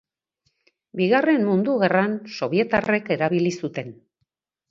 Bigarren Mundu Gerran sobietarrek erabili zuten.